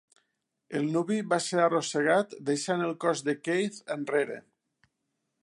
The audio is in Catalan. El nuvi va ser arrossegat, deixant el cos de Keith enrere.